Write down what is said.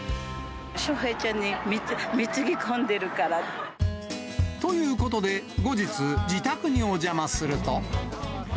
翔平ちゃんに貢ぎこんでるから。ということで、後日、自宅にお邪魔すると。